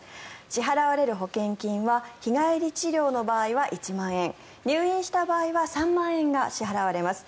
支払われる保険金は日帰り治療の場合は１万円入院した場合は３万円が支払われます。